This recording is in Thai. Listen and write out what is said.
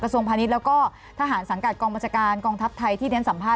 กโสมพณิชย์แล้วก็ทหารสังกัดกองบัชการกองทัพไทยที่เรียนสำหรับ